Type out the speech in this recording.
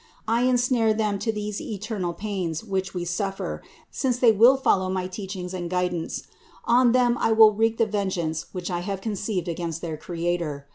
I ensnare them to these eternal pains which we suffer, since they will follow my teachings and guidance : on them I will wreak the vengeance which I have conceived against their Creator.